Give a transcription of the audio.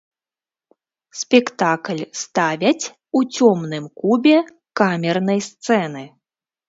Спектакль ставяць у цёмным кубе камернай сцэны.